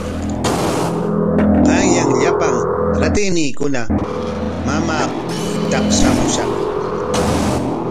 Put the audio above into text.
Qanyan llapan ratayniikuna mamaa taqshamushqa.